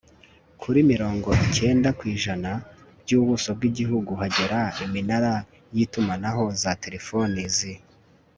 kuri mirongo icyenda kiu ijana by' ubuso bw' igihugu hagera iminara y' itumanaho rya telefoni z